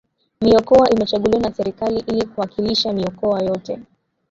Mikoa imechaguliwa na serikali ili kuwakilisha mikoa yote